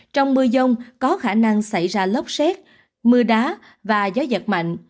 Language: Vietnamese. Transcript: trong mưa dông có khả năng xảy ra lốc xét mưa đá và gió giật mạnh